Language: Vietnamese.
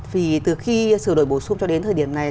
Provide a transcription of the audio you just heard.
thì từ khi sửa đổi bổ sung cho đến thời điểm này